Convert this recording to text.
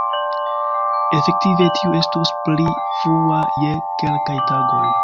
Efektive tiu estus pli frua je kelkaj tagoj.